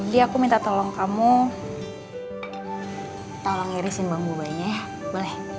di aku minta tolong kamu tolong irisin bawang bubahnya ya boleh